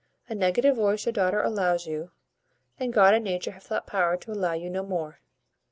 A negative voice your daughter allows you, and God and nature have thought proper to allow you no more."